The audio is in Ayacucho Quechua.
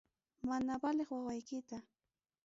Mana valeq wawaykita.